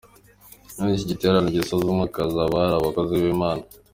Muri iki giterane gisoza umwaka hazaba hari akozi b'Imana